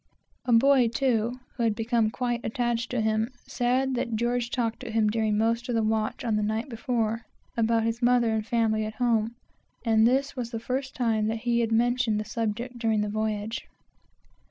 A boy, too, who had become quite attached to him, said that George talked to him during most of the watch on the night before, about his mother and family at home, and this was the first time that he had mentioned the subject during the voyage.